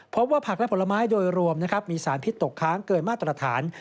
ผักและผลไม้โดยรวมนะครับมีสารพิษตกค้างเกินมาตรฐาน